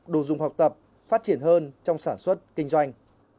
đồ dùng học tập phát triển hơn trong sản xuất kinh doanh